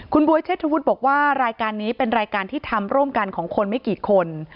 คุณบ๊วยเชษฐวุฒิบอกว่ารายการนี้เป็นรายการที่ทำร่วมกันของคนไม่กี่คน